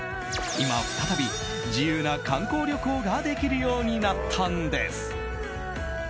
今再び、自由な観光旅行ができるようになったんです。